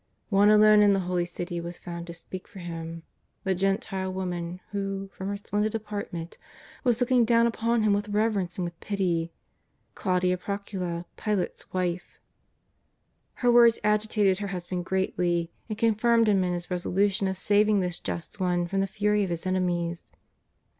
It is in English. One alone in the holy City was found to speak for Him — the Gentile woman, who, from her splendid apartment, was looking down upon Him with reverence and with pity, Claudia Procula, Pilate's wife. Her words agitated her husband greatly, and con firmed him in his resolution of saving this Just One from the fury of His enemies.